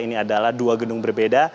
ini adalah dua gedung berbeda